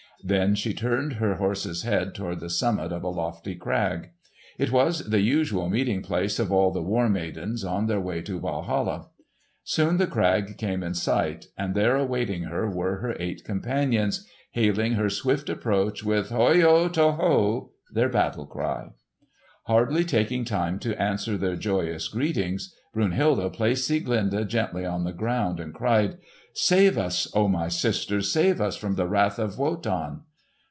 Then she turned her horse's head toward the summit of a lofty crag. It was the usual meeting place of all the War Maidens on their way to Walhalla. Soon the crag came in sight, and there awaiting her were her eight companions, hailing her swift approach with "Hoyo to ho!" their battle cry. Hardly taking time to answer their joyous greetings, Brunhilde placed Sieglinde gently on the ground and cried, "Save us, O my sister! Save us from the wrath of Wotan!"